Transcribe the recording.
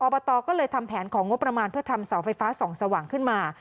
บตก็เลยทำแผนของงบประมาณเพื่อทำเสาไฟฟ้าส่องสว่างขึ้นมา